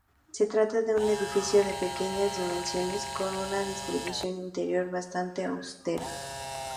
Se trata de un edificio de pequeñas dimensiones, con una distribución interior bastante austera.